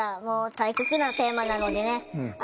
もう大切なテーマなのでね